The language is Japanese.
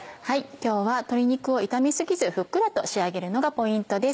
今日は鶏肉を炒め過ぎずふっくらと仕上げるのがポイントです。